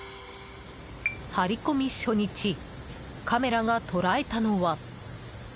張り込み初日カメラが捉えたのは。